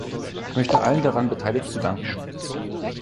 Ich möchte allen daran Beteiligten danken.